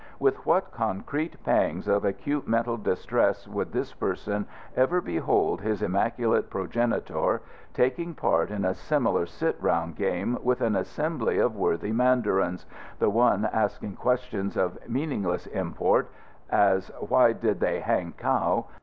With what concrete pangs of acute mental distress would this person ever behold his immaculate progenitor taking part in a similar sit round game with an assembly of worthy mandarins, the one asking questions of meaningless import, as "Why did they Hangkow?"